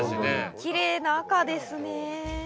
きれいな赤ですね。